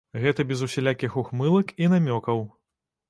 Гэта без усялякіх ухмылак і намёкаў.